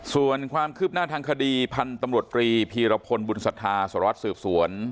ส่วนความคืบหน้าทางคดีพันธุ์ตำรวจตรีพีรพลบุญศรัทธาสารวัตรสืบสวน